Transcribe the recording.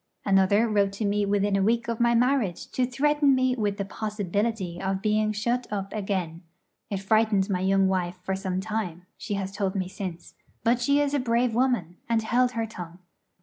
Another wrote to me within a week of my marriage to threaten me with the possibility of being shut up again. It frightened my young wife for some time, she has told me since; but she is a brave woman, and held her tongue.